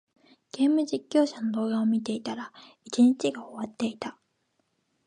ゲーム実況者の動画を見ていたら、一日が終わった。